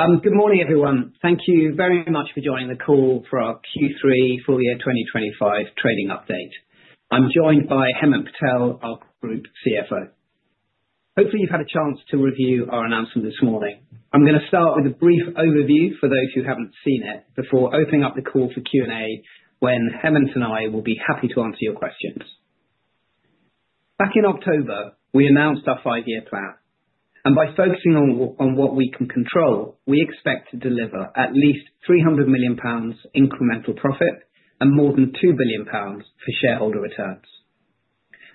Good morning, everyone. Thank you very much for joining the call for our Q3 Full Year 2025 Trading Update. I'm joined by Hemant Patel, our Group CFO. Hopefully, you've had a chance to review our announcement this morning. I'm going to start with a brief overview for those who haven't seen it before opening up the call for Q&A, when Hemant and I will be happy to answer your questions. Back in October, we announced our five-year plan, and by focusing on what we can control, we expect to deliver at least 300 million pounds incremental profit and more than two billion pounds for shareholder returns.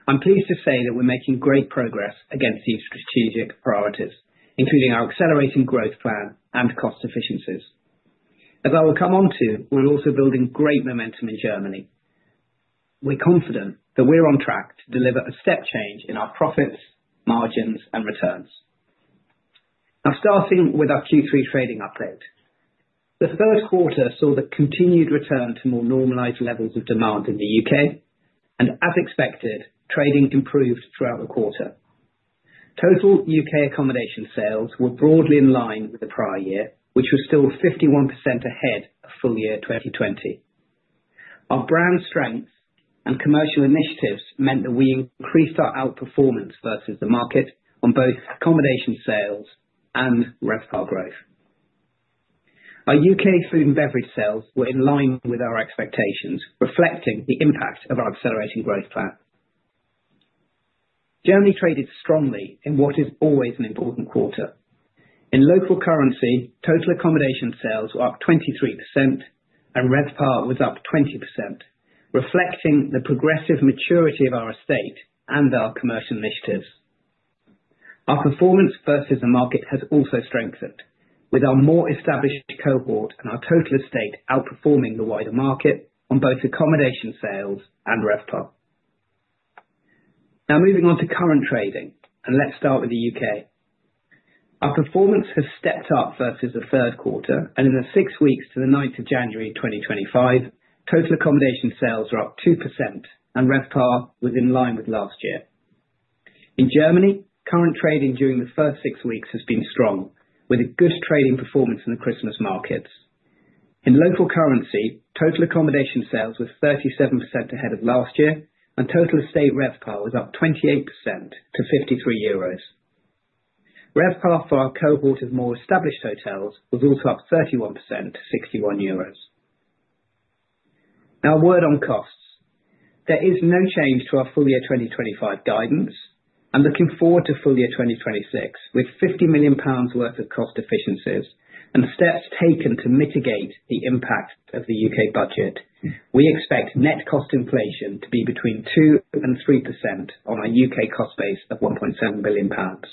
I'm pleased to say that we're making great progress against these strategic priorities, including our Accelerating Growth Plan and cost efficiencies. As I will come on to, we're also building great momentum in Germany. We're confident that we're on track to deliver a step change in our profits, margins, and returns. Now, starting with our Q3 trading update, the third quarter saw the continued return to more normalized levels of demand in the U.K., and as expected, trading improved throughout the quarter. Total U.K. accommodation sales were broadly in line with the prior year, which was still 51% ahead of full year 2020. Our brand strengths and commercial initiatives meant that we increased our outperformance versus the market on both accommodation sales and RevPAR growth. Our U.K. food and beverage sales were in line with our expectations, reflecting the impact of our Accelerating Growth Plan. Germany traded strongly in what is always an important quarter. In local currency, total accommodation sales were up 23%, and RevPAR was up 20%, reflecting the progressive maturity of our estate and our commercial initiatives. Our performance versus the market has also strengthened, with our more established cohort and our total estate outperforming the wider market on both accommodation sales and RevPAR. Now, moving on to current trading, and let's start with the U.K. Our performance has stepped up versus the third quarter, and in the six weeks to the 9th of January 2025, total accommodation sales were up 2%, and RevPAR was in line with last year. In Germany, current trading during the first six weeks has been strong, with a good trading performance in the Christmas markets. In local currency, total accommodation sales were 37% ahead of last year, and total estate RevPAR was up 28% to €53. RevPAR for our cohort of more established hotels was also up 31% to €61. Now, a word on costs. There is no change to our full year 2025 guidance. I'm looking forward to full year 2026 with 50 million pounds worth of cost efficiencies and steps taken to mitigate the impact of the U.K. budget. We expect net cost inflation to be between 2% and 3% on our U.K. cost base of 1.7 billion pounds.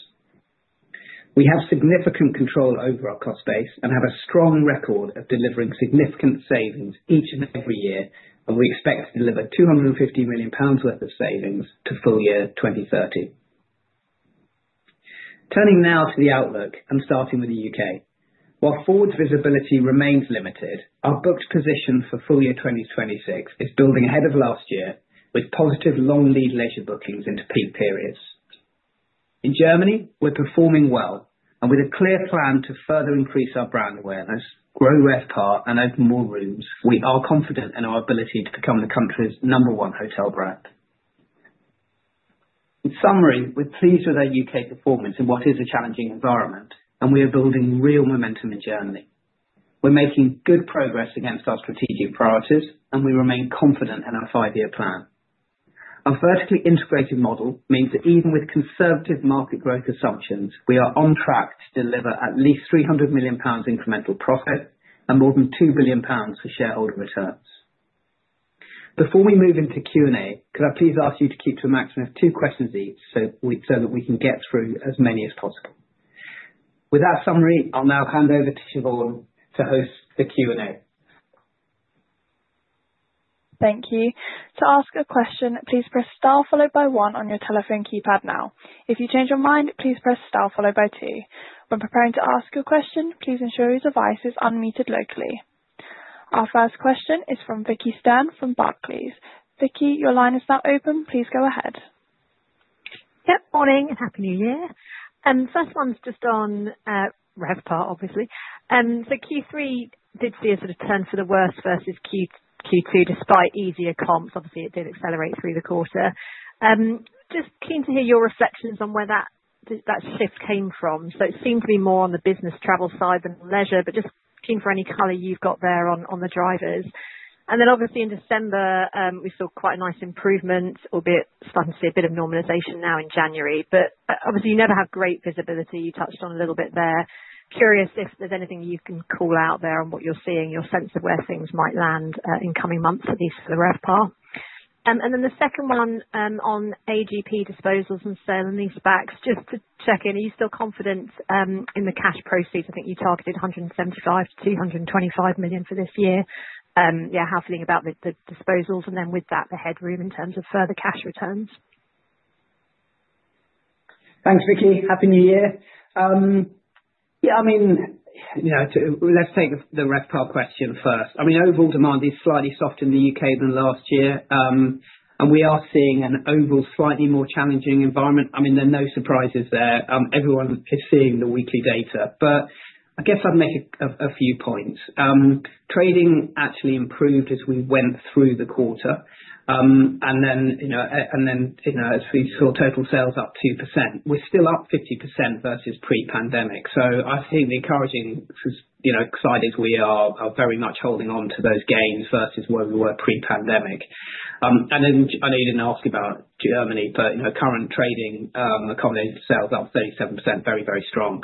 We have significant control over our cost base and have a strong record of delivering significant savings each and every year, and we expect to deliver 250 million pounds worth of savings to full year 2030. Turning now to the outlook and starting with the UK, while forward visibility remains limited, our booked position for full year 2026 is building ahead of last year, with positive long lead leisure bookings into peak periods. In Germany, we're performing well, and with a clear plan to further increase our brand awareness, grow RevPAR, and open more rooms, we are confident in our ability to become the country's number one hotel brand. In summary, we're pleased with our U.K. performance in what is a challenging environment, and we are building real momentum in Germany. We're making good progress against our strategic priorities, and we remain confident in our five-year plan. Our vertically integrated model means that even with conservative market growth assumptions, we are on track to deliver at least 300 million pounds incremental profit and more than 2 billion pounds for shareholder returns. Before we move into Q&A, could I please ask you to keep to a maximum of two questions each so that we can get through as many as possible? With that summary, I'll now hand over to Siobhan to host the Q&A. Thank you. To ask a question, please press star followed by one on your telephone keypad now. If you change your mind, please press star followed by two. When preparing to ask your question, please ensure your device is unmuted locally. Our first question is from Vicki Stern from Barclays. Vicki, your line is now open. Please go ahead. Yep, morning and happy new year. First one's just on RevPAR, obviously. So Q3 did see a sort of turn for the worse versus Q2, despite easier comps. Obviously, it did accelerate through the quarter. Just keen to hear your reflections on where that shift came from. So it seemed to be more on the business travel side than leisure, but just keen for any color you've got there on the drivers. And then obviously in December, we saw quite a nice improvement, albeit starting to see a bit of normalization now in January. But obviously, you never have great visibility. You touched on a little bit there. Curious if there's anything you can call out there on what you're seeing, your sense of where things might land in coming months, at least for the RevPAR. And then the second one on AGP disposals and sale and these leasebacks, just to check in, are you still confident in the cash proceeds? I think you targeted 175 million-225 million for this year. Yeah, how you feeling about the disposals and then with that, the headroom in terms of further cash returns? Thanks, Vicki. Happy new year. Yeah, I mean, let's take the RevPAR question first. I mean, overall demand is slightly softer in the U.K. than last year, and we are seeing an overall slightly more challenging environment. I mean, there are no surprises there. Everyone is seeing the weekly data, but I guess I'd make a few points. Trading actually improved as we went through the quarter, and then as we saw total sales up 2%. We're still up 50% versus pre-pandemic. So I think the encouraging side is we are very much holding on to those gains versus where we were pre-pandemic, and then I know you didn't ask about Germany, but current trading accommodation sales are up 37%, very, very strong.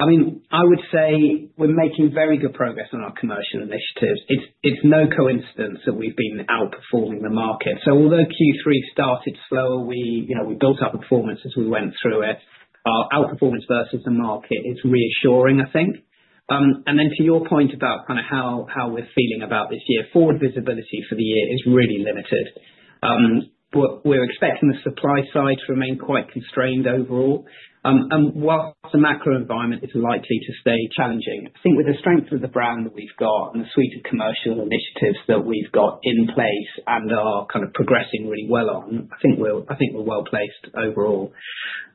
I mean, I would say we're making very good progress on our commercial initiatives. It's no coincidence that we've been outperforming the market. So although Q3 started slower, we built our performance as we went through it. Our outperformance versus the market is reassuring, I think. And then to your point about kind of how we're feeling about this year, forward visibility for the year is really limited. But we're expecting the supply side to remain quite constrained overall, and while the macro environment is likely to stay challenging, I think with the strength of the brand that we've got and the suite of commercial initiatives that we've got in place and are kind of progressing really well on, I think we're well placed overall.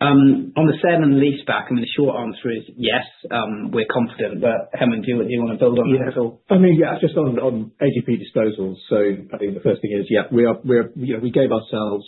On the sale and leaseback, I mean, the short answer is yes, we're confident, but Hemant, do you want to build on that at all? Yeah, I mean, yeah, just on AGP disposals. So I think the first thing is, yeah, we gave ourselves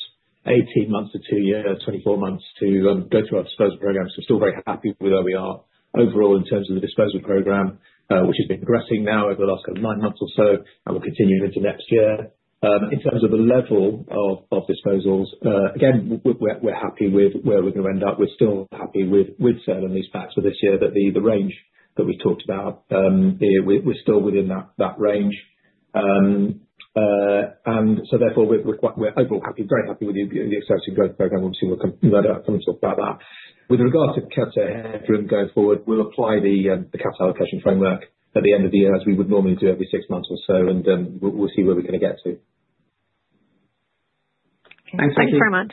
18 months to two years, 24 months to go through our disposal program. So we're still very happy with where we are overall in terms of the disposal program, which has been progressing now over the last kind of nine months or so, and we'll continue into next year. In terms of the level of disposals, again, we're happy with where we're going to end up. We're still happy with sale and leasebacks for this year, that the range that we've talked about here, we're still within that range. And so therefore, we're overall happy, very happy with the Accelerating Growth Plan. We'll see what comes up about that. With regard to capital headroom going forward, we'll apply the capital allocation framework at the end of the year as we would normally do every six months or so, and we'll see where we're going to get to. Thanks, Hemant. Thank you very much.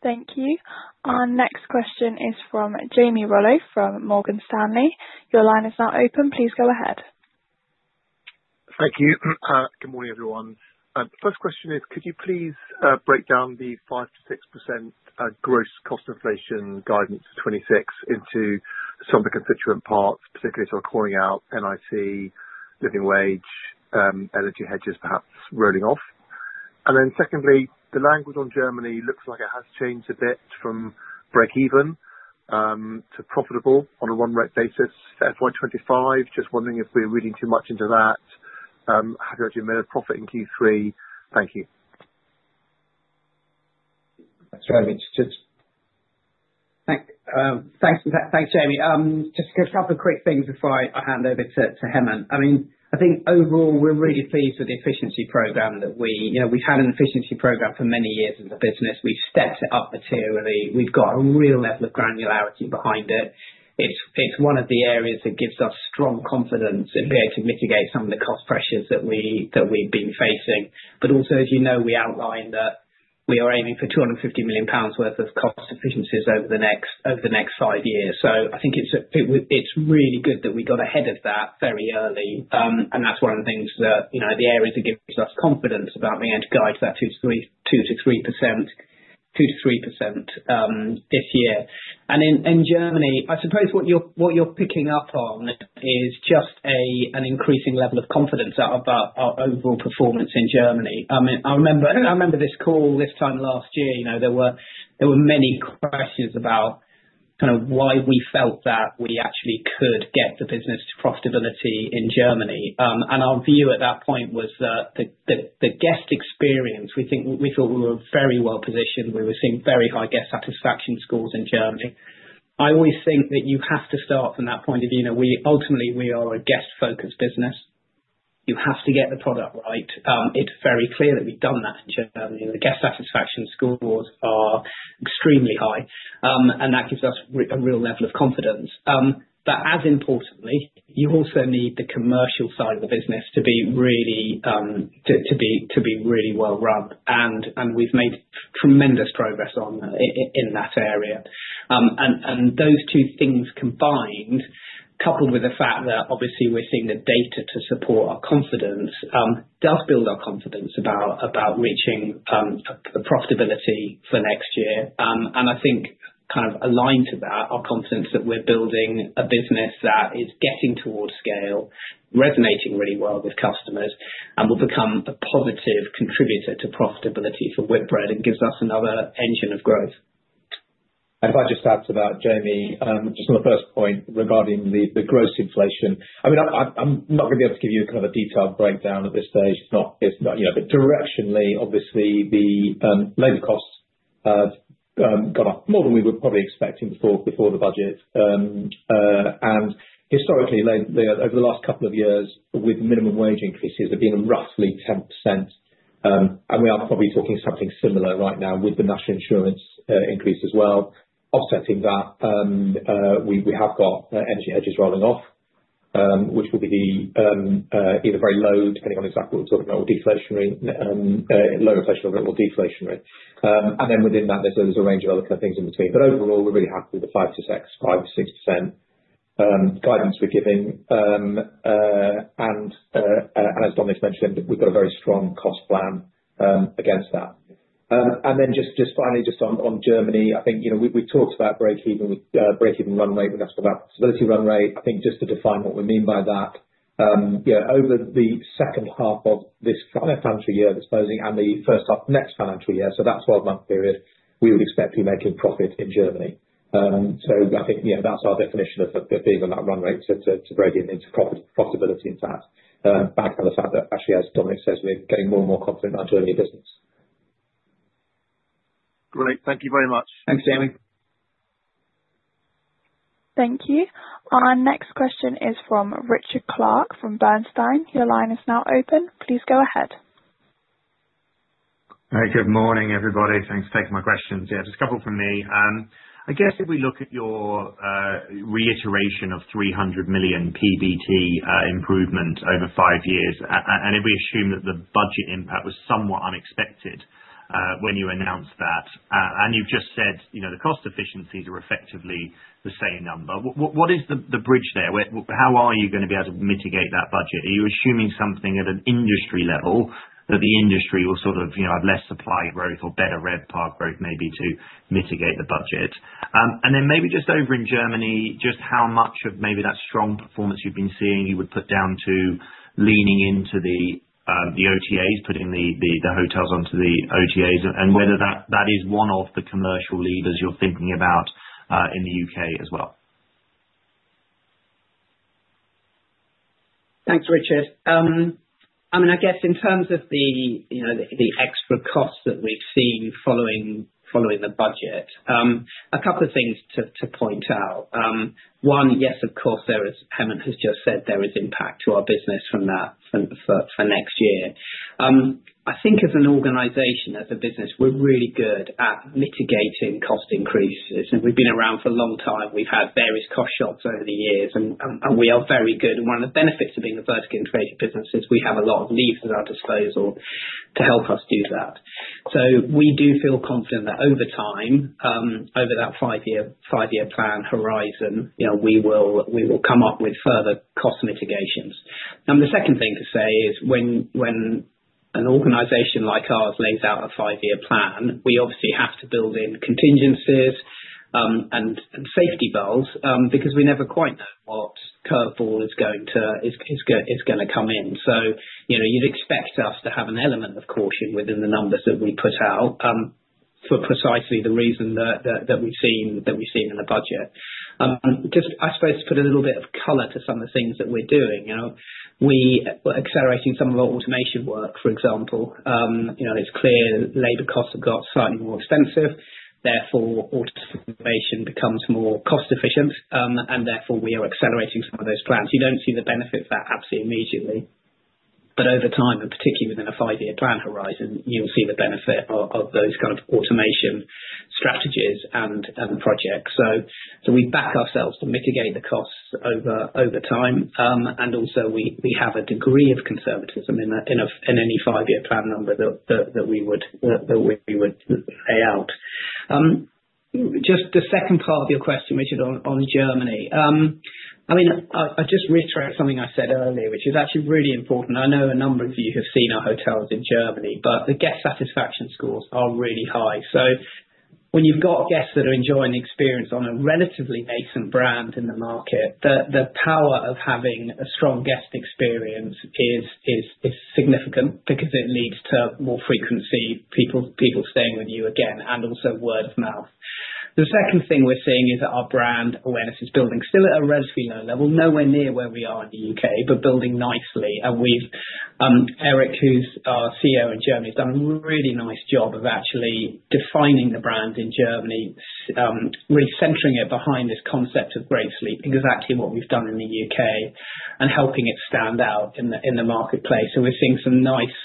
Thank you. Our next question is from Jamie Rollo from Morgan Stanley. Your line is now open. Please go ahead. Thank you. Good morning, everyone. First question is, could you please break down the 5%-6% gross cost inflation guidance for 2026 into some of the constituent parts, particularly sort of calling out NIC, living wage, energy hedges perhaps rolling off? And then secondly, the language on Germany looks like it has changed a bit from break-even to profitable on a run-rate basis. So FY 2025, just wondering if we're reading too much into that. Have you already made a profit in Q3? Thank you. Thanks, Jamie. Thanks, Jamie. Just a couple of quick things before I hand over to Hemant. I mean, I think overall, we're really pleased with the efficiency program that we've had for many years as a business. We've stepped it up materially. We've got a real level of granularity behind it. It's one of the areas that gives us strong confidence in being able to mitigate some of the cost pressures that we've been facing. But also, as you know, we outlined that we are aiming for 250 million pounds worth of cost efficiencies over the next five years. So I think it's really good that we got ahead of that very early, and that's one of the areas that give us confidence about being able to guide to that 2%-3%, 2%-3% this year. In Germany, I suppose what you're picking up on is just an increasing level of confidence about our overall performance in Germany. I remember this call this time last year. There were many questions about kind of why we felt that we actually could get the business to profitability in Germany. Our view at that point was that the guest experience, we thought we were very well positioned. We were seeing very high guest satisfaction scores in Germany. I always think that you have to start from that point of view. Ultimately, we are a guest-focused business. You have to get the product right. It's very clear that we've done that in Germany. The guest satisfaction scores are extremely high, and that gives us a real level of confidence. As importantly, you also need the commercial side of the business to be really well run. We've made tremendous progress in that area. Those two things combined, coupled with the fact that obviously we're seeing the data to support our confidence, does build our confidence about reaching profitability for next year. I think kind of aligned to that, our confidence that we're building a business that is getting towards scale, resonating really well with customers, and will become a positive contributor to profitability for Whitbread and gives us another engine of growth. If I just add to that, Jamie, just on the first point regarding the gross inflation, I mean, I'm not going to be able to give you kind of a detailed breakdown at this stage. It's not. But directionally, obviously, the labor costs have gone up more than we were probably expecting before the budget. And historically, over the last couple of years, with minimum wage increases, there have been roughly 10%. And we are probably talking something similar right now with the national insurance increase as well. Offsetting that, we have got energy hedges rolling off, which will be either very low, depending on exactly what we're talking about, or deflationary, low inflationary or deflationary. And then within that, there's a range of other kind of things in between. But overall, we're really happy with the 5%-6% guidance we're giving. And as Dominic mentioned, we've got a very strong cost plan against that. And then just finally, just on Germany, I think we've talked about break-even run rate. We've talked about stability run rate. I think just to define what we mean by that, over the second half of this financial year, disposing, and the first half of next financial year, so that 12-month period, we would expect to be making profit in Germany. So I think that's our definition of being on that run rate to break into profitability and that, backed by the fact that actually, as Dominic says, we're getting more and more confident in our Germany business. Great. Thank you very much. Thanks, Jamie. Thank you. Our next question is from Richard Clarke from Bernstein. Your line is now open. Please go ahead. Hey, good morning, everybody. Thanks for taking my questions. Yeah, just a couple from me. I guess if we look at your reiteration of 300 million PBT improvement over five years, and if we assume that the budget impact was somewhat unexpected when you announced that, and you've just said the cost efficiencies are effectively the same number, what is the bridge there? How are you going to be able to mitigate that budget? Are you assuming something at an industry level that the industry will sort of have less supply growth or better RevPAR growth maybe to mitigate the budget? And then maybe just over in Germany, just how much of maybe that strong performance you've been seeing you would put down to leaning into the OTAs, putting the hotels onto the OTAs, and whether that is one of the commercial levers you're thinking about in the U.K. as well? Thanks, Richard. I mean, I guess in terms of the extra costs that we've seen following the budget, a couple of things to point out. One, yes, of course, there is. Hemant has just said there is impact to our business from that for next year. I think as an organization, as a business, we're really good at mitigating cost increases. And we've been around for a long time. We've had various cost shocks over the years, and we are very good. And one of the benefits of being a vertically integrated business is we have a lot of levers at our disposal to help us do that. So we do feel confident that over time, over that five-year plan horizon, we will come up with further cost mitigations. And the second thing to say is when an organization like ours lays out a five-year plan, we obviously have to build in contingencies and safety bells because we never quite know what curveball is going to come in. So you'd expect us to have an element of caution within the numbers that we put out for precisely the reason that we've seen in the budget. Just, I suppose, to put a little bit of color to some of the things that we're doing. We are accelerating some of our automation work, for example. It's clear labor costs have got slightly more expensive. Therefore, automation becomes more cost-efficient, and therefore, we are accelerating some of those plans. You don't see the benefit of that absolutely immediately. But over time, and particularly within a five-year plan horizon, you'll see the benefit of those kind of automation strategies and projects. So we back ourselves to mitigate the costs over time. And also, we have a degree of conservatism in any five-year plan number that we would lay out. Just the second part of your question, Richard, on Germany. I mean, I'll just reiterate something I said earlier, which is actually really important. I know a number of you have seen our hotels in Germany, but the guest satisfaction scores are really high. So when you've got guests that are enjoying the experience on a relatively nascent brand in the market, the power of having a strong guest experience is significant because it leads to more frequency, people staying with you again, and also word of mouth. The second thing we're seeing is that our brand awareness is building still at a relatively low level, nowhere near where we are in the U.K., but building nicely. Erik, who's our CEO in Germany, has done a really nice job of actually defining the brand in Germany, really centering it behind this concept of great sleep, exactly what we've done in the U.K., and helping it stand out in the marketplace. So we're seeing some nice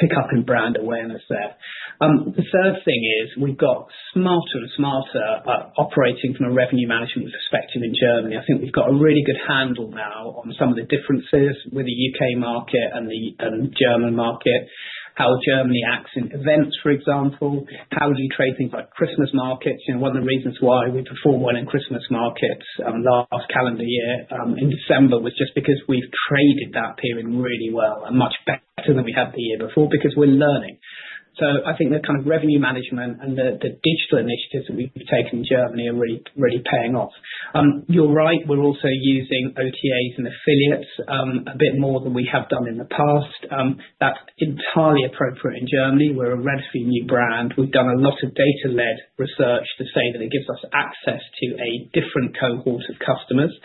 pickup in brand awareness there. The third thing is we've got smarter and smarter operating from a revenue management perspective in Germany. I think we've got a really good handle now on some of the differences with the U.K. market and the German market, how Germany acts in events, for example, how do you trade things like Christmas markets? One of the reasons why we perform well in Christmas markets last calendar year in December was just because we've traded that period really well and much better than we had the year before because we're learning. So I think the kind of revenue management and the digital initiatives that we've taken in Germany are really paying off. You're right. We're also using OTAs and affiliates a bit more than we have done in the past. That's entirely appropriate in Germany. We're a relatively new brand. We've done a lot of data-led research to say that it gives us access to a different cohort of customers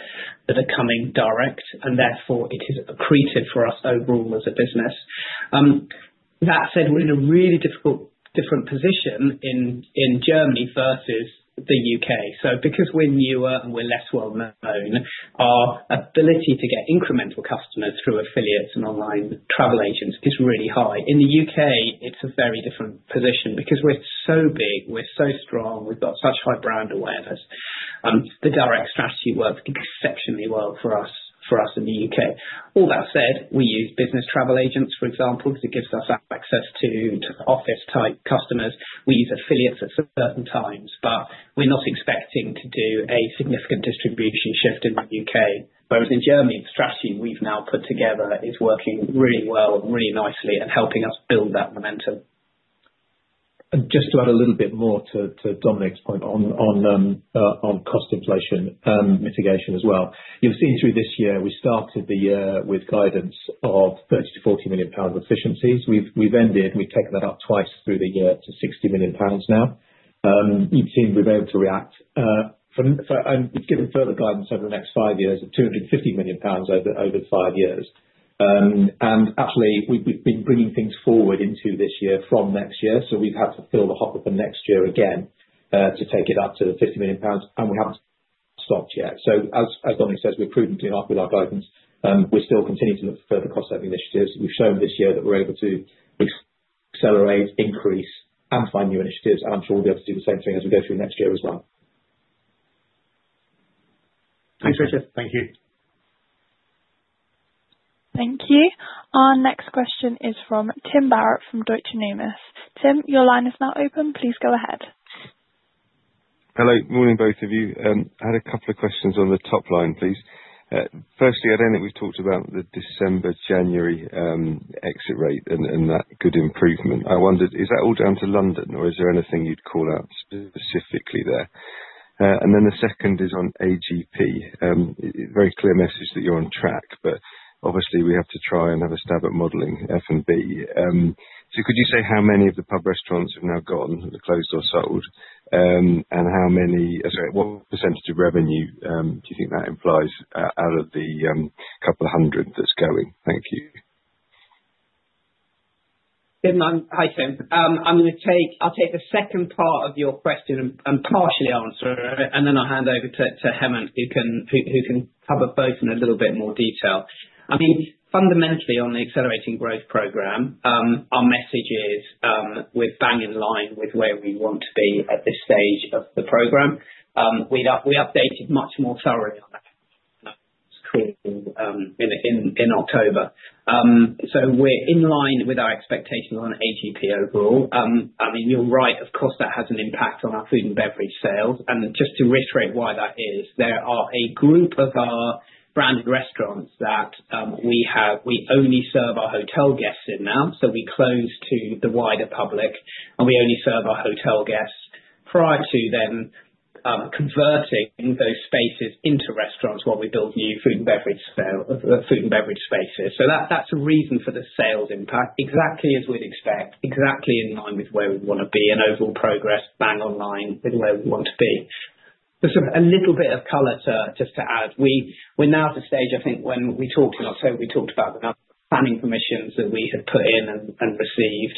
that are coming direct, and therefore, it is accretive for us overall as a business. That said, we're in a really different position in Germany versus the UK. So because we're newer and we're less well known, our ability to get incremental customers through affiliates and online travel agents is really high. In the U.K., it's a very different position because we're so big, we're so strong, we've got such high brand awareness. The direct strategy works exceptionally well for us in the U.K. All that said, we use business travel agents, for example, because it gives us access to office-type customers. We use affiliates at certain times, but we're not expecting to do a significant distribution shift in the U.K. Whereas in Germany, the strategy we've now put together is working really well and really nicely and helping us build that momentum. Just to add a little bit more to Dominic's point on cost inflation mitigation as well. You've seen through this year, we started the year with guidance of 30 million-40 million pounds of efficiencies. We've ended, and we've taken that up twice through the year to 60 million pounds now. You've seen we've been able to react and given further guidance over the next five years of 250 million pounds over five years. And actually, we've been bringing things forward into this year from next year. So we've had to fill the hopper for next year again to take it up to the 50 million pounds, and we haven't stopped yet. So as Dominic says, we're prudently off with our guidance. We're still continuing to look for further cost-saving initiatives. We've shown this year that we're able to accelerate, increase, and find new initiatives. I'm sure we'll be able to do the same thing as we go through next year as well. Thanks, Richard. Thank you. Thank you. Our next question is from Tim Barrett from Deutsche Numis. Tim, your line is now open. Please go ahead. Hello. Morning, both of you. I had a couple of questions on the top line, please. Firstly, I don't think we've talked about the December-January exit rate and that good improvement. I wondered, is that all down to London, or is there anything you'd call out specifically there? And then the second is on AGP. Very clear message that you're on track, but obviously, we have to try and have a stab at modeling F and B. So could you say how many of the pub restaurants have now gone closed or sold, and how many, sorry, what percentage of revenue do you think that implies out of the couple of hundred that's going? Thank you. Good morning. Hi, Tim. I'm going to take the second part of your question and partially answer it, and then I'll hand over to Hemant, who can cover both in a little bit more detail. I mean, fundamentally, on the Accelerated Growth Program, our message is we're bang in line with where we want to be at this stage of the program. We updated much more thoroughly on that score in October. So we're in line with our expectations on AGP overall. I mean, you're right. Of course, that has an impact on our food and beverage sales. And just to reiterate why that is, there are a group of our branded restaurants that we only serve our hotel guests in now. So we close to the wider public, and we only serve our hotel guests prior to then converting those spaces into restaurants while we build new food and beverage spaces. So that's a reason for the sales impact, exactly as we'd expect, exactly in line with where we want to be and overall progress, bang on line with where we want to be. Just a little bit of color just to add. We're now at the stage, I think, when we talked in October, we talked about the planning permissions that we had put in and received.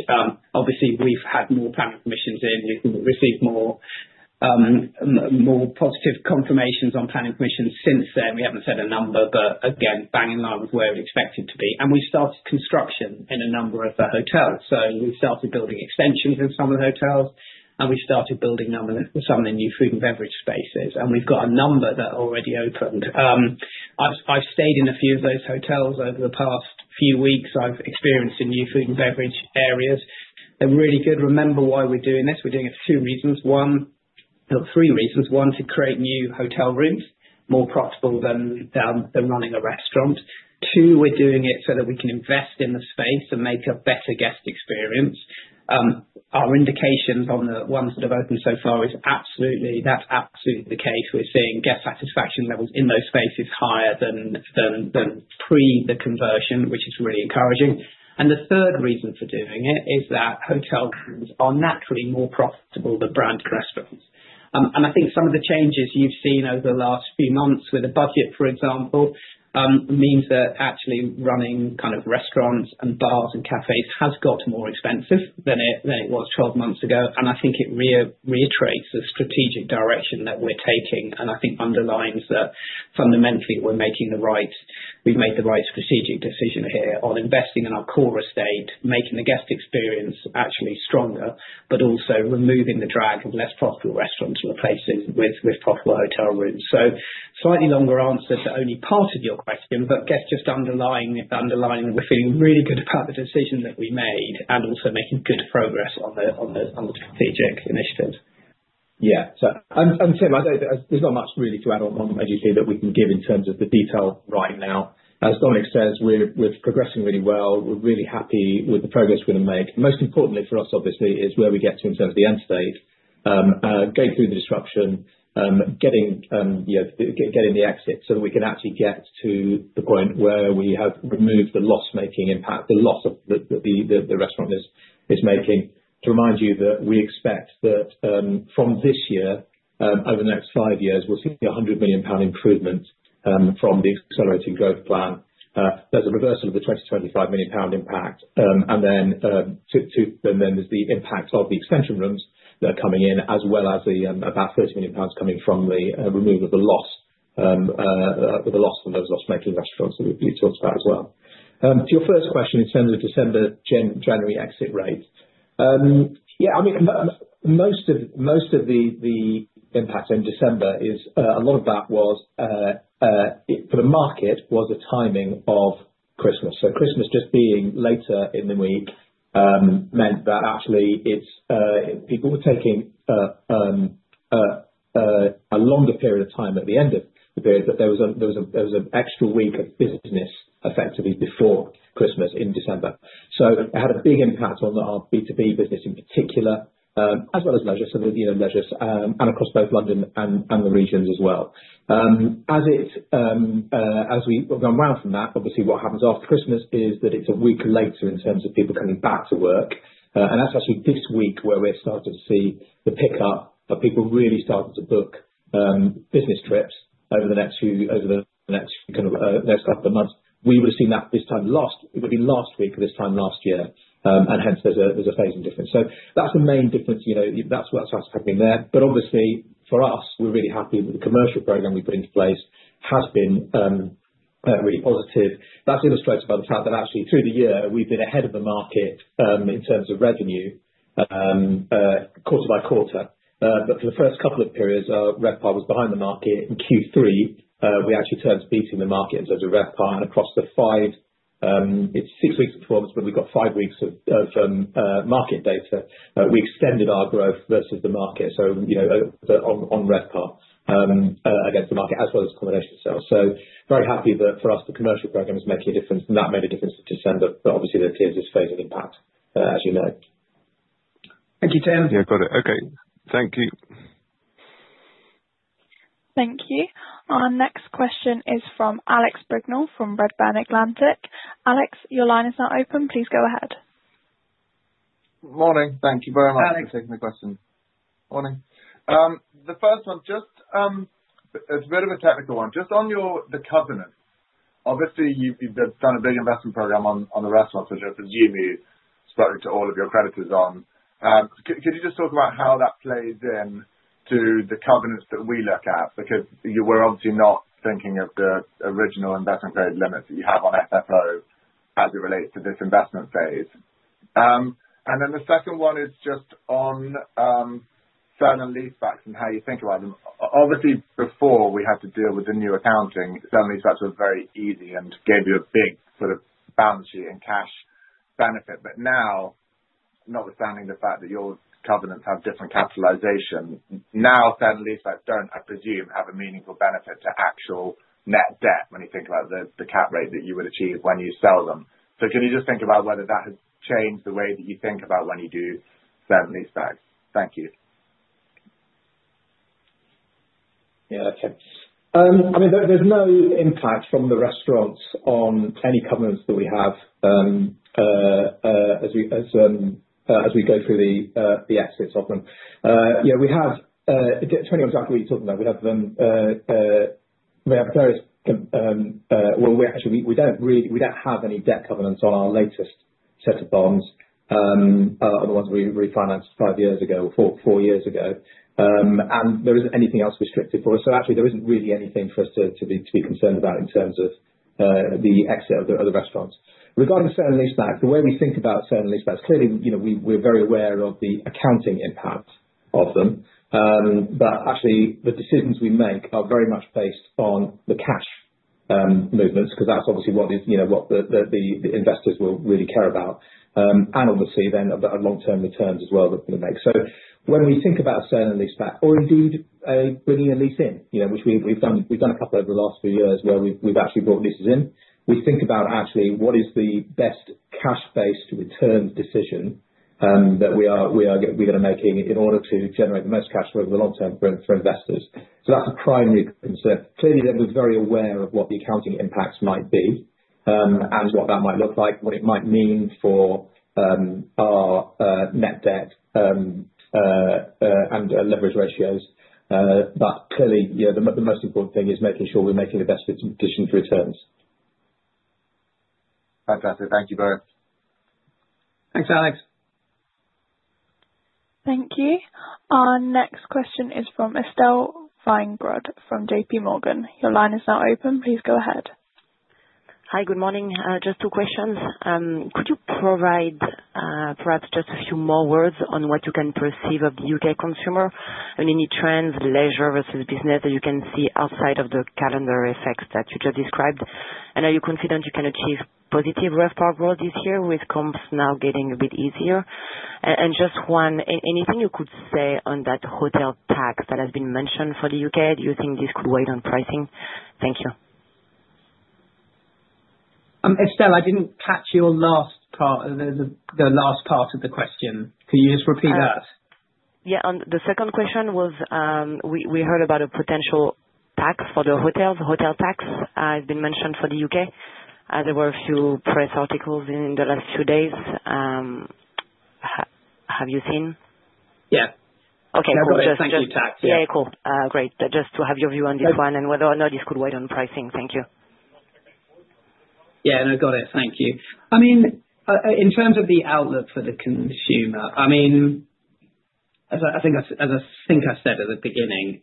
Obviously, we've had more planning permissions in. We've received more positive confirmations on planning permissions since then. We haven't said a number, but again, bang in line with where we expected to be. And we've started construction in a number of the hotels. We've started building extensions in some of the hotels, and we've started building some of the new food and beverage spaces. We've got a number that are already open. I've stayed in a few of those hotels over the past few weeks. I've experienced some new food and beverage areas. They're really good. Remember why we're doing this? We're doing it for two reasons. Well, three reasons. One, to create new hotel rooms, more profitable than running a restaurant. Two, we're doing it so that we can invest in the space and make a better guest experience. Our indications on the ones that have opened so far is absolutely. That's absolutely the case. We're seeing guest satisfaction levels in those spaces higher than pre the conversion, which is really encouraging. The third reason for doing it is that hotel rooms are naturally more profitable than branded restaurants. And I think some of the changes you've seen over the last few months with a budget, for example, means that actually running kind of restaurants and bars and cafes has got more expensive than it was 12 months ago. And I think it reiterates the strategic direction that we're taking, and I think underlines that fundamentally we're making the right. We've made the right strategic decision here on investing in our core estate, making the guest experience actually stronger, but also removing the drag of less profitable restaurants and replacing with profitable hotel rooms. So slightly longer answer to only part of your question, but I guess just underlining that we're feeling really good about the decision that we made and also making good progress on the strategic initiatives. Yeah. So I'm Tim. There's not much really to add on, as you see, that we can give in terms of the detail right now. As Dominic says, we're progressing really well. We're really happy with the progress we're going to make. Most importantly for us, obviously, is where we get to in terms of the end state, going through the disruption, getting the exit so that we can actually get to the point where we have removed the loss-making impact, the loss that the restaurant is making. To remind you that we expect that from this year, over the next five years, we'll see a 100 million pound improvement from the Accelerating Growth Plan. There's a reversal of the GBP 20 to 25 million pound impact. And then there's the impact of the extension rooms that are coming in, as well as about 30 million pounds coming from the removal of the loss from those loss-making restaurants that we've talked about as well. To your first question in terms of December-January exit rate, yeah, I mean, most of the impact in December is a lot of that was for the market was a timing of Christmas. So Christmas just being later in the week meant that actually people were taking a longer period of time at the end of the period, but there was an extra week of business effectively before Christmas in December. So it had a big impact on our B2B business in particular, as well as leisure, and across both London and the regions as well. As we've gone round from that, obviously, what happens after Christmas is that it's a week later in terms of people coming back to work. And that's actually this week where we're starting to see the pickup of people really starting to book business trips over the next few kind of next couple of months. We would have seen that this time last, it would have been last week or this time last year. And hence, there's a phasing difference. So that's the main difference. That's what's happening there. But obviously, for us, we're really happy that the commercial program we've put into place has been really positive. That's illustrated by the fact that actually through the year, we've been ahead of the market in terms of revenue quarter by quarter. But for the first couple of periods, our RevPAR was behind the market. In Q3, we actually turned to beating the market in terms of RevPAR. And across the five, it's six weeks of performance, but we've got five weeks of market data. We extended our growth versus the market, so on RevPAR against the market, as well as accommodation sales. So very happy that for us, the commercial program is making a difference, and that made a difference in December. But obviously, there's phasing impact, as you know. Thank you, Tim. Yeah, got it. Okay. Thank you. Thank you. Our next question is from Alex Brignell from Redburn Atlantic. Alex, your line is now open. Please go ahead. Morning. Thank you very much for taking the question. Morning. The first one, just a bit of a technical one. Just on the covenant, obviously, you've done a big investment program on the restaurants, which I presume you spoke to all of your creditors on. Could you just talk about how that plays into the covenants that we look at? Because we're obviously not thinking of the original investment grade limits that you have on FFO as it relates to this investment phase. And then the second one is just on certain lease backs and how you think about them. Obviously, before, we had to deal with the new accounting. Certain lease backs were very easy and gave you a big sort of balance sheet and cash benefit. But now, notwithstanding the fact that your covenants have different capitalization, now certain lease backs don't, I presume, have a meaningful benefit to actual net debt when you think about the cap rate that you would achieve when you sell them. So can you just think about whether that has changed the way that you think about when you do certain lease backs? Thank you. Yeah, okay. I mean, there's no impact from the restaurants on any covenants that we have as we go through the exits of them. Yeah, we have various, well, actually, we don't have any debt covenants on our latest set of bonds, on the ones we refinanced five years ago, four years ago. And there isn't anything else restricted for us. So actually, there isn't really anything for us to be concerned about in terms of the exit of the restaurants. Regarding certain lease backs, the way we think about certain lease backs, clearly, we're very aware of the accounting impact of them. But actually, the decisions we make are very much based on the cash movements because that's obviously what the investors will really care about. And obviously, then a long-term return as well that we're going to make. So when we think about certain sale and leasebacks, or indeed bringing a lease in, which we've done a couple over the last few years where we've actually brought leases in, we think about actually what is the best cash-based return decision that we are going to make in order to generate the most cash over the long term for investors. So that's a primary concern. Clearly, we're very aware of what the accounting impacts might be and what that might look like, what it might mean for our net debt and leverage ratios. But clearly, the most important thing is making sure we're making the best decision for returns. Fantastic. Thank you both. Thanks, Alex. Thank you. Our next question is from Estelle Weingrod from J.P. Morgan. Your line is now open. Please go ahead. Hi, good morning. Just two questions. Could you provide perhaps just a few more words on what you can perceive of the U.K. consumer and any trends, leisure versus business that you can see outside of the calendar effects that you just described? And are you confident you can achieve positive rev progress this year with comps now getting a bit easier? And just one, anything you could say on that hotel tax that has been mentioned for the U.K.? Do you think this could wait on pricing? Thank you. Estelle, I didn't catch your last part of the last part of the question. Could you just repeat that? Yeah. The second question was we heard about a potential tax for the hotels. Hotel tax has been mentioned for the U.K. There were a few press articles in the last few days. Have you seen? Yeah. Okay. So just. That was a Uncertain, yeah. Yeah, cool. Great. Just to have your view on this one and whether or not this could weigh on pricing? Thank you. Yeah, no, got it. Thank you. I mean, in terms of the outlook for the consumer, I mean, as I think I said at the beginning,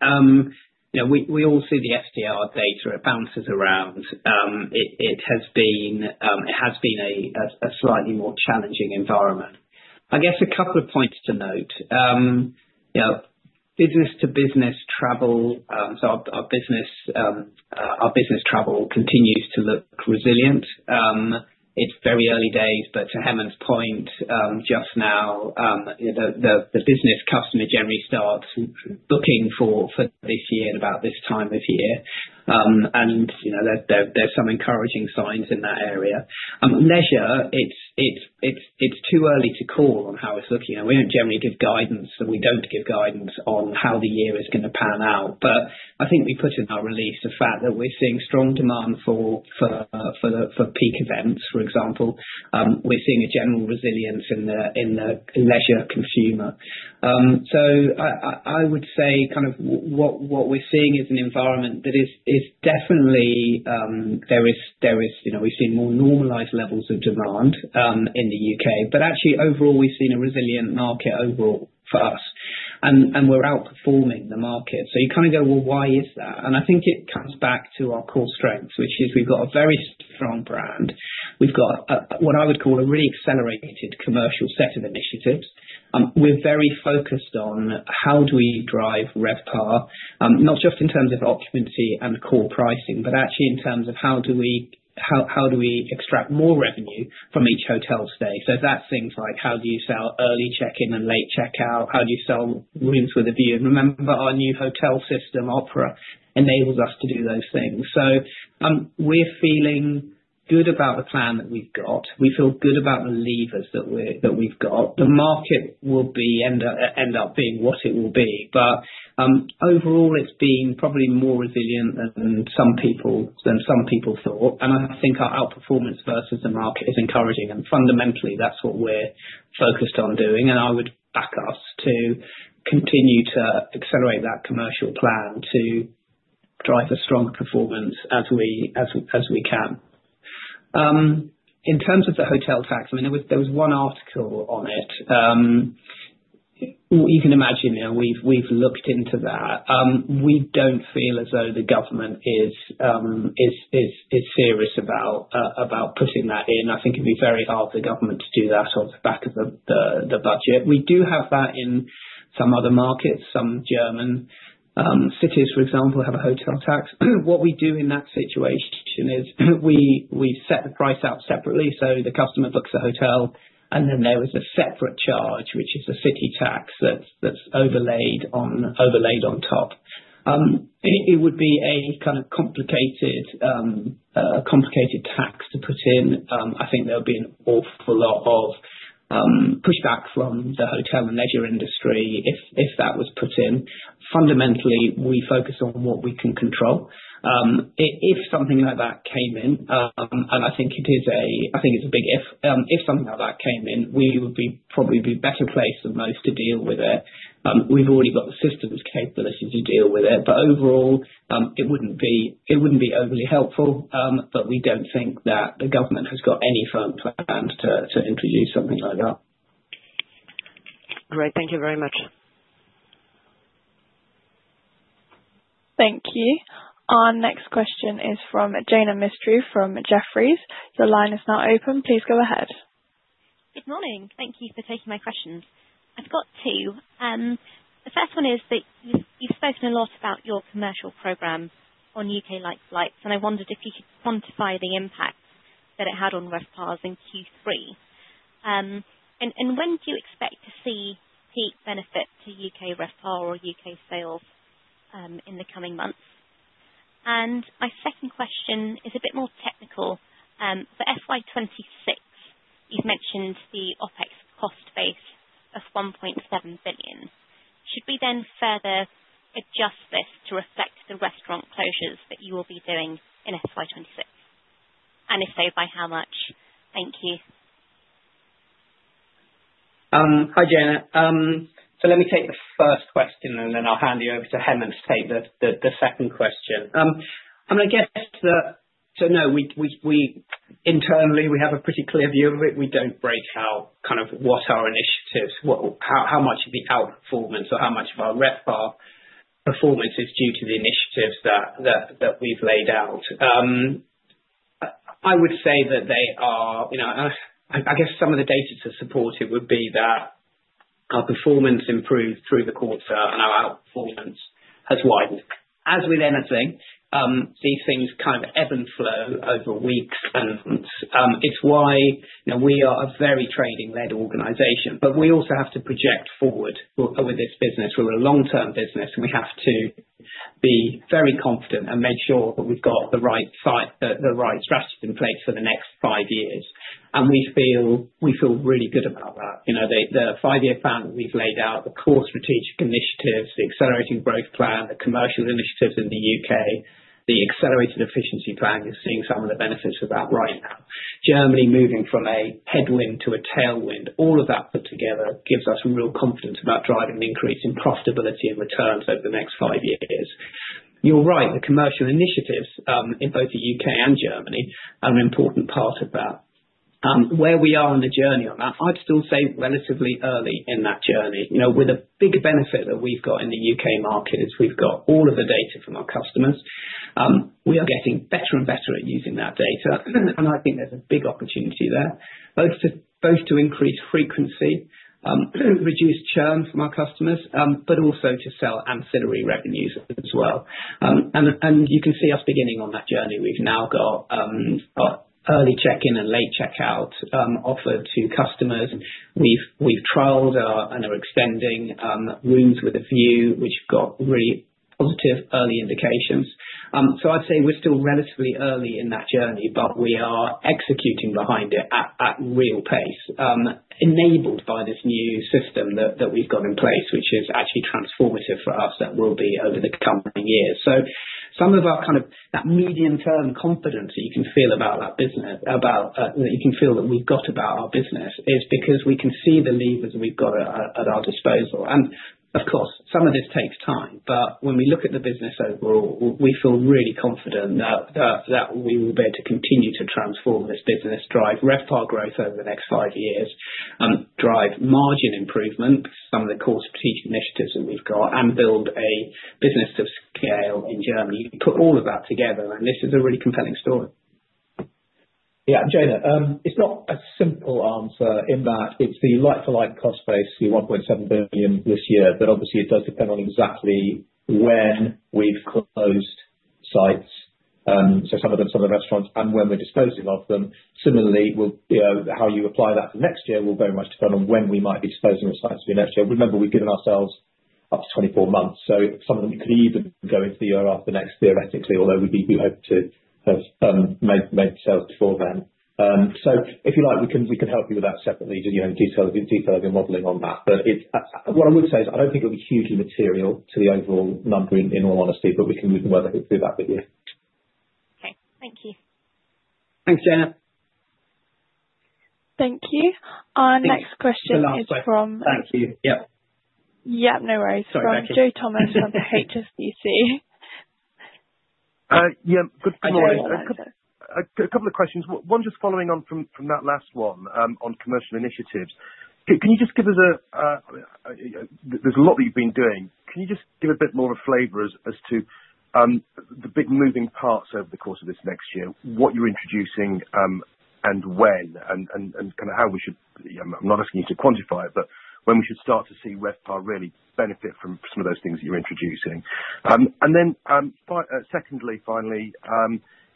we all see the STR data. It bounces around. It has been a slightly more challenging environment. I guess a couple of points to note. Business-to-business travel, so our business travel continues to look resilient. It's very early days, but to Hemant's point just now, the business customer generally starts booking for this year at about this time of year. And there's some encouraging signs in that area. Leisure, it's too early to call on how it's looking. We don't generally give guidance, so we don't give guidance on how the year is going to pan out. But I think we put in our release the fact that we're seeing strong demand for peak events, for example. We're seeing a general resilience in the leisure consumer. So I would say kind of what we're seeing is an environment that is definitely. We've seen more normalized levels of demand in the U.K. But actually, overall, we've seen a resilient market overall for us. And we're outperforming the market. So you kind of go, "Well, why is that?" And I think it comes back to our core strengths, which is we've got a very strong brand. We've got what I would call a really accelerated commercial set of initiatives. We're very focused on how do we drive RevPAR, not just in terms of occupancy and core pricing, but actually in terms of how do we extract more revenue from each hotel stay. So that's things like how do you sell early check-in and late check-out? How do you sell rooms with a view? And remember, our new hotel system, Opera, enables us to do those things. So we're feeling good about the plan that we've got. We feel good about the levers that we've got. The market will end up being what it will be. But overall, it's been probably more resilient than some people thought. And I think our outperformance versus the market is encouraging. And fundamentally, that's what we're focused on doing. And I would back us to continue to accelerate that commercial plan to drive a strong performance as we can. In terms of the hotel tax, I mean, there was one article on it. You can imagine we've looked into that. We don't feel as though the government is serious about putting that in. I think it'd be very hard for the government to do that off the back of the budget. We do have that in some other markets. Some German cities, for example, have a hotel tax. What we do in that situation is we set the price out separately. So the customer books a hotel, and then there is a separate charge, which is a city tax that's overlaid on top. It would be a kind of complicated tax to put in. I think there would be an awful lot of pushback from the hotel and leisure industry if that was put in. Fundamentally, we focus on what we can control. If something like that came in, and I think it's a big if. If something like that came in, we would probably be better placed than most to deal with it. We've already got the system's capability to deal with it. But overall, it wouldn't be overly helpful. But we don't think that the government has got any firm plan to introduce something like that. Great. Thank you very much. Thank you. Our next question is from Jaina Mistry from Jefferies. The line is now open. Please go ahead. Good morning. Thank you for taking my questions. I've got two. The first one is that you've spoken a lot about your commercial program on U.K.-like flights. And I wondered if you could quantify the impact that it had on RevPAR in Q3. And when do you expect to see peak benefit to U.K. RevPAR or U.K. sales in the coming months? And my second question is a bit more technical. For FY26, you've mentioned the OPEX cost base of 1.7 billion. Should we then further adjust this to reflect the restaurant closures that you will be doing in FY26? And if so, by how much? Thank you. Hi, Jaina. So let me take the first question, and then I'll hand you over to Hemant to take the second question. I mean, I guess that so no, internally, we have a pretty clear view of it. We don't break out kind of what our initiatives, how much of the outperformance or how much of our RevPAR performance is due to the initiatives that we've laid out. I would say that they are, I guess some of the data to support it would be that our performance improved through the quarter and our outperformance has widened. As we then are doing, these things kind of ebb and flow over weeks and months. It's why we are a very trading-led organization. But we also have to project forward with this business. We're a long-term business, and we have to be very confident and make sure that we've got the right strategy in place for the next five years. We feel really good about that. The five-year plan that we've laid out, the core strategic initiatives, the Accelerating Growth Plan, the commercial initiatives in the U.K., the accelerated efficiency plan, you're seeing some of the benefits of that right now. Germany moving from a headwind to a tailwind, all of that put together gives us real confidence about driving the increase in profitability and returns over the next five years. You're right. The commercial initiatives in both the U.K. and Germany are an important part of that. Where we are on the journey on that, I'd still say relatively early in that journey. With a big benefit that we've got in the U.K. market is we've got all of the data from our customers. We are getting better and better at using that data. And I think there's a big opportunity there, both to increase frequency, reduce churn from our customers, but also to sell ancillary revenues as well. And you can see us beginning on that journey. We've now got early check-in and late check-out offered to customers. We've trialed and are extending rooms with a view, which got really positive early indications. So I'd say we're still relatively early in that journey, but we are executing behind it at real pace, enabled by this new system that we've got in place, which is actually transformative for us that will be over the coming years. So some of our kind of that medium-term confidence that you can feel about that business, that you can feel that we've got about our business, is because we can see the levers we've got at our disposal. And of course, some of this takes time. But when we look at the business overall, we feel really confident that we will be able to continue to transform this business, drive RevPAR growth over the next five years, drive margin improvement, some of the core strategic initiatives that we've got, and build a business of scale in Germany. Put all of that together, and this is a really compelling story. Yeah, Jaina, it's not a simple answer in that it's the like-for-like cost base, the 1.7 billion this year, but obviously, it does depend on exactly when we've closed sites, so some of the restaurants, and when we're disposing of them. Similarly, how you apply that for next year will very much depend on when we might be disposing of sites for next year. Remember, we've given ourselves up to 24 months. So some of them could even go into the year after next, theoretically, although we do hope to have made sales before then. So if you like, we can help you with that separately, detailing your modeling on that. But what I would say is I don't think it'll be hugely material to the overall number, in all honesty, but we can work through that with you. Okay. Thank you. Thanks, Jaina. Thank you. Our next question is from. Thank you. Yeah. Yeah, no worries. Sorry about that. From Joe Thomas from the HSBC. Yeah. Good morning. A couple of questions. One just following on from that last one on commercial initiatives. Can you just give us a, there's a lot that you've been doing. Can you just give a bit more of a flavor as to the big moving parts over the course of this next year, what you're introducing and when, and kind of how we should, I'm not asking you to quantify it, but when we should start to see RevPAR really benefit from some of those things that you're introducing? And then secondly, finally,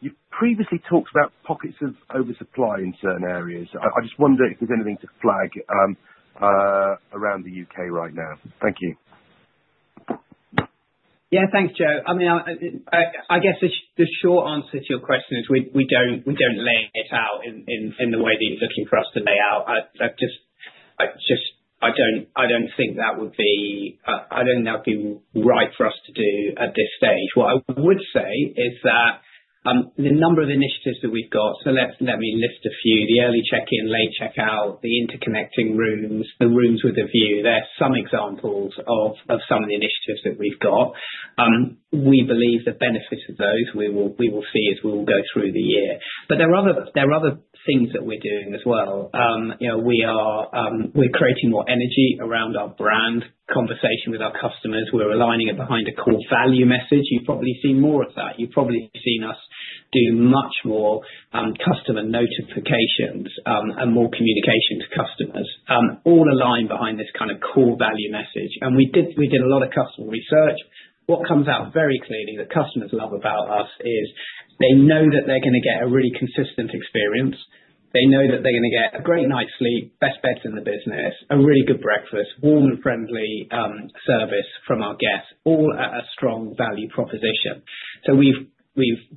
you've previously talked about pockets of oversupply in certain areas. I just wonder if there's anything to flag around the U.K. right now. Thank you. Yeah, thanks, Joe. I mean, I guess the short answer to your question is we don't lay it out in the way that you're looking for us to lay out. I just don't think that would be. I don't think that would be right for us to do at this stage. What I would say is that the number of initiatives that we've got. So let me list a few: the early check-in, late check-out, the interconnecting rooms, the rooms with a view. There are some examples of some of the initiatives that we've got. We believe the benefits of those we will see as we will go through the year. But there are other things that we're doing as well. We're creating more energy around our brand conversation with our customers. We're aligning it behind a core value message. You've probably seen more of that. You've probably seen us do much more customer notifications and more communication to customers, all aligned behind this kind of core value message. And we did a lot of customer research. What comes out very clearly that customers love about us is they know that they're going to get a really consistent experience. They know that they're going to get a great night's sleep, best beds in the business, a really good breakfast, warm and friendly service from our guests, all at a strong value proposition. So we've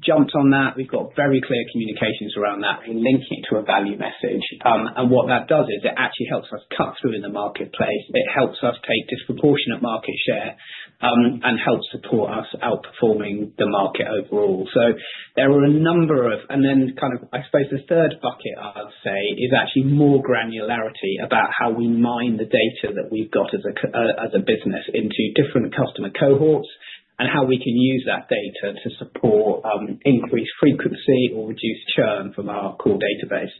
jumped on that. We've got very clear communications around that. We're linking it to a value message. And what that does is it actually helps us cut through in the marketplace. It helps us take disproportionate market share and helps support us outperforming the market overall. So there are a number of, and then kind of I suppose the third bucket I'd say is actually more granularity about how we mine the data that we've got as a business into different customer cohorts and how we can use that data to support increased frequency or reduced churn from our core database.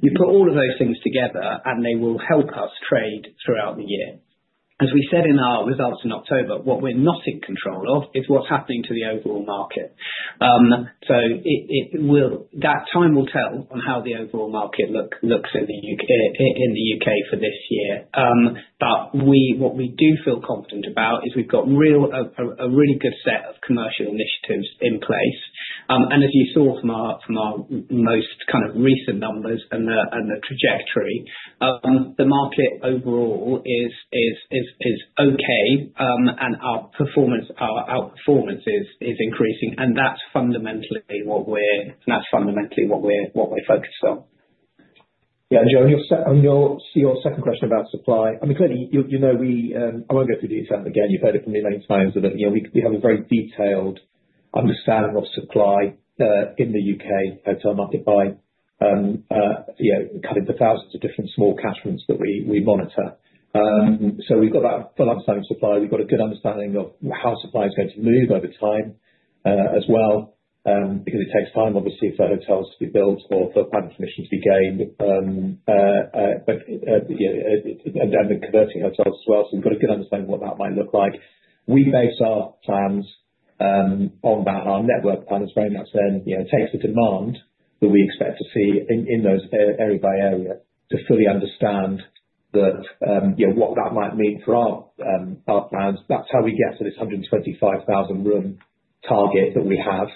You put all of those things together, and they will help us trade throughout the year. As we said in our results in October, what we're not in control of is what's happening to the overall market. So that time will tell on how the overall market looks in the U.K. for this year. But what we do feel confident about is we've got a really good set of commercial initiatives in place. As you saw from our most kind of recent numbers and the trajectory, the market overall is okay, and our performance is increasing. That's fundamentally what we're focused on. Yeah, Joe, on your second question about supply, I mean, clearly, I won't go through the example again. You've heard it from me many times that we have a very detailed understanding of supply in the U.K. hotel market by cutting the thousands of different small catchments that we monitor. So we've got that full understanding of supply. We've got a good understanding of how supply is going to move over time as well because it takes time, obviously, for hotels to be built or for planning permission to be gained, and then converting hotels as well. So we've got a good understanding of what that might look like. We base our plans on that, our network plans, very much then. It takes the demand that we expect to see in those area by area to fully understand what that might mean for our plans. That's how we get to this 125,000-room target that we have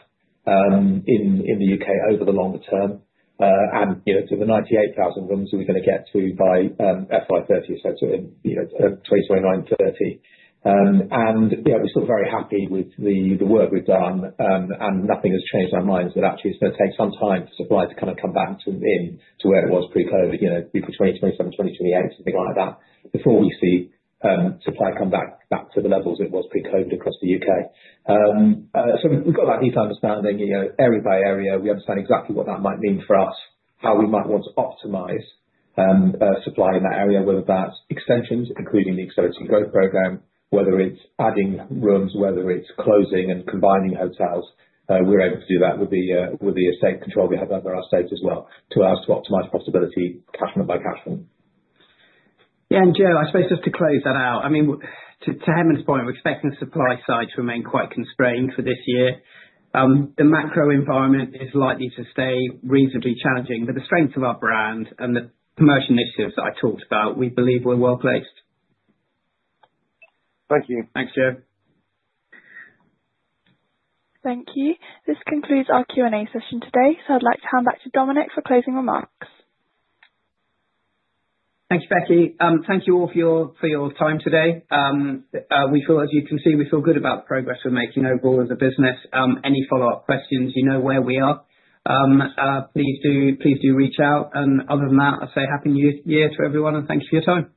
in the U.K. over the longer term, and to the 98,000 rooms that we're going to get to by FY30, so to 2029-2030. And yeah, we're still very happy with the work we've done, and nothing has changed our minds that actually it's going to take some time for supply to kind of come back to where it was pre-COVID, pre-2027, 2028, something like that, before we see supply come back to the levels it was pre-COVID across the U.K., so we've got that deep understanding area by area. We understand exactly what that might mean for us, how we might want to optimize supply in that area, whether that's extensions, including the accelerated growth program, whether it's adding rooms, whether it's closing and combining hotels. We're able to do that with the estate control we have over our estate as well to best optimize portfolio catchment by catchment. Yeah. And Joe, I suppose just to close that out, I mean, to Hemant's point, we're expecting the supply side to remain quite constrained for this year. The macro environment is likely to stay reasonably challenging, but the strength of our brand and the commercial initiatives that I talked about, we believe we're well placed. Thank you. Thanks, Joe. Thank you. This concludes our Q&A session today. So I'd like to hand back to Dominic for closing remarks. Thanks, Bettina. Thank you all for your time today. As you can see, we feel good about the progress we're making overall as a business. Any follow-up questions, you know where we are. Please do reach out. And other than that, I say Happy New Year to everyone, and thanks for your time.